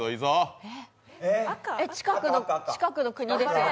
近くの国ですね？